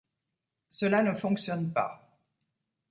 Cela ne fonctionne pas.